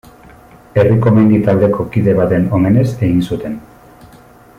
Herriko mendi taldeko kide baten omenez egin zuten.